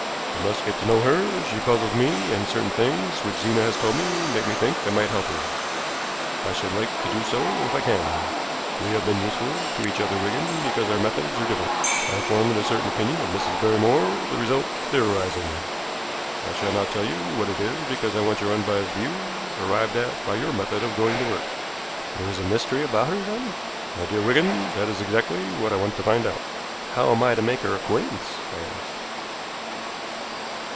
"You must get to know her. She puzzles me, and certain things which Zena has told me make me think I might help her. I should like to do so, if I can. We have been useful to each other, Wigan, because our methods are different. I have formed a certain opinion of Mrs. Barrymore, the result of theorizing. I shall not tell you what it is because I want your unbiased view, arrived at by your method of going to work." "There is a mystery about her, then?" "My dear Wigan, that is exactly what I want to find out." "How am I to make her acquaintance?" I asked.